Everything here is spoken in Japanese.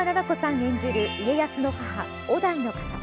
演じる家康の母、於大の方。